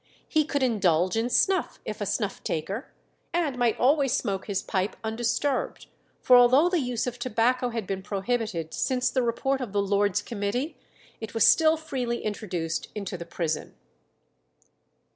He could indulge in snuff if a snuff taker, and might always smoke his pipe undisturbed; for although the use of tobacco had been prohibited since the report of the Lords Committee, it was still freely introduced into the prison.